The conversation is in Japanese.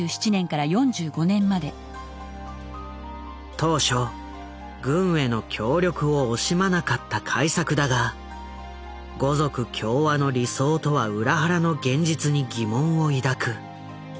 当初軍への協力を惜しまなかった開作だが「五族協和」の理想とは裏腹の現実に疑問を抱く。